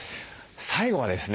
最後はですね